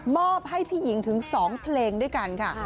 อบให้พี่หญิงถึง๒เพลงด้วยกันค่ะ